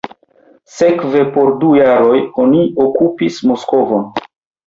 Sekve por du jaroj li okupis Moskvon.